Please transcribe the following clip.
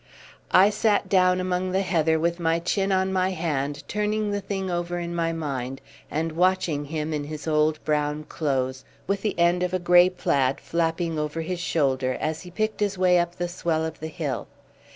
I sat down among the heather with my chin on my hand, turning the thing over in my mind, and watching him in his old brown clothes, with the end of a grey plaid flapping over his shoulder, as he picked his way up the swell of the hill.